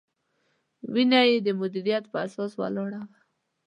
وینا یې د مدیریت په اساس ولاړه وه.